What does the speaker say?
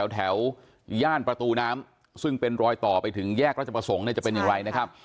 แถวย่านประตูน้ำซึ่งเป็นรอยต่อไปถึงแยกราชประสงค์เนี่ยจะเป็นอย่างไรนะครับ